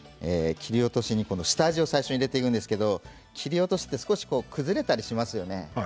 下味を最初に入れていくんですが切り落として少し崩れたりしますよね。